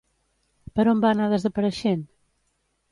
Per on va anar desapareixent?